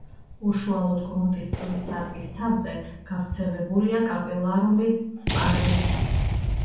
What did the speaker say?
უშუალოდ გრუნტის წყლის სარკის თავზე გავრცელებულია კაპილარული წყალი.